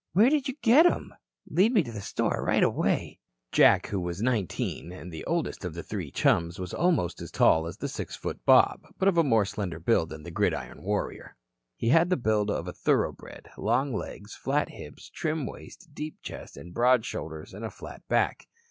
"Where do you get 'em? Lead me to the store right away." Jack, who was 19 and the oldest of the three chums, was almost as tall as the six foot Bob, but of more slender build than that gridiron warrior. He had the build of a thoroughbred, long legs, flat hips, trim waist, deep chest and broad shoulders and a flat back.